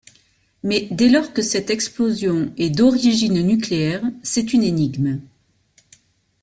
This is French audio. Mais dès lors que cette explosion est d'origine nucléaire, c'est une énigme.